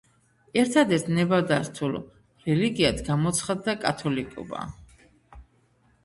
ერთადერთ ნებადართულ რელიგიად გამოცხადდა კათოლიკობა.